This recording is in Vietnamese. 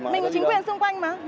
mình có chính quyền xung quanh mà